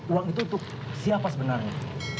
uang itu untuk siapa sebenarnya